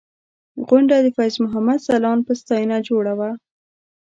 غونډه د فیض محمد ځلاند په ستاینه جوړه وه.